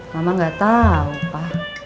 mama nggak tahu pa